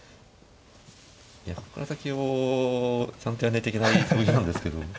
ここから先をちゃんとやんないといけない将棋なんですけど。